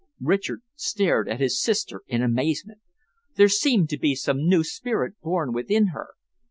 Richard stared at his sister in amazement. There seemed to be some new spirit born within her.